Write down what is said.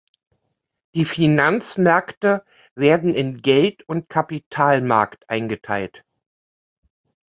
Die Finanzmärkte werden in Geld- und Kapitalmarkt eingeteilt.